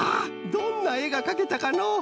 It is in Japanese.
どんなえがかけたかのう？